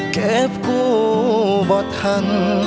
เก็บกูบอดทัน